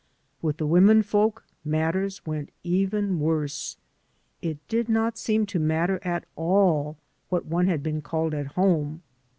With the women folks matters went even worse. It did not seem to matter at all what one had been called at home.